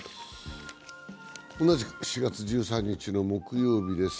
同じく４月１３日の木曜日です。